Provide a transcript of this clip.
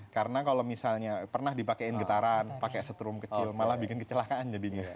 karena kalau misalnya pernah dipakein getaran pake setrum kecil malah bikin kecelakaan jadinya